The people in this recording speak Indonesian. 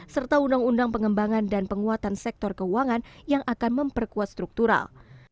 serta undang undang pengembangan dan penguatan sektor keuangan yang akan memperkuat struktural